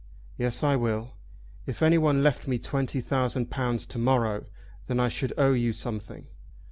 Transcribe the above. "Yes, I will. If anyone left me twenty thousand pounds to morrow, then I should owe you something."